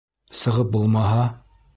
Сығып булмаһа?